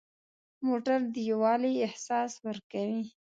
موټر د یووالي احساس ورکوي.